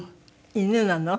犬なの？